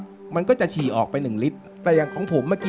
รายการต่อไปนี้เป็นรายการทั่วไปสามารถรับชมได้ทุกวัย